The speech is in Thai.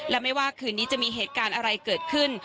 และไม่ว่าคืนนี้จะมีเหตุการณ์อะไรเกิดขึ้น